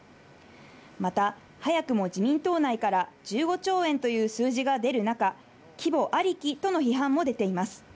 また、早くも自民党内から１５兆円という数字が出る中、規模ありきとの批判も出ています。